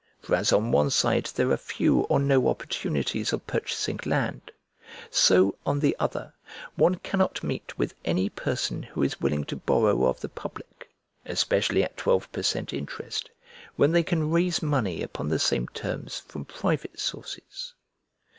For as on one side there are few or no opportunities of purchasing land, so, on the other, one cannot meet with any person who is willing to borrow of the public [1042b] (especially at 12 per cent, interest) when they can raise money upon the same terms from private sources.